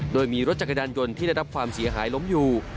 โดยมีรถจักรยานยนต์ที่ได้รับความเสียหายล้มอยู่